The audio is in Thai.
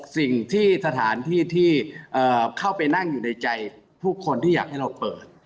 สิ่งที่สถานที่ที่เข้าไปนั่งอยู่ในใจผู้คนที่อยากให้เราเปิด